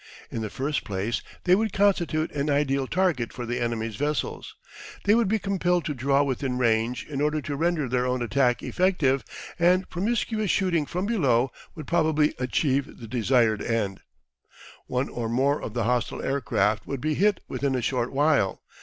In the first place they would constitute an ideal target for the enemy's vessels. They would be compelled to draw within range in order to render their own attack effective, and promiscuous shooting from below would probably achieve the desired end. One or more of the hostile aircraft would be hit within a short while.